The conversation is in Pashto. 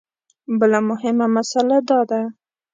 بله مهمه مسله دا ده.